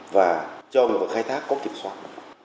và trong khai thác có kiểm soát